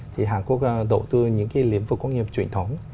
thì hàn quốc đầu tư những cái liên phục công nghiệp truyền thống